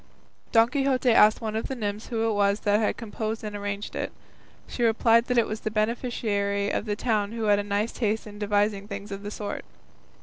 Don Quixote asked one of the nymphs who it was that had composed and arranged it. She replied that it was a beneficiary of the town who had a nice taste in devising things of the sort.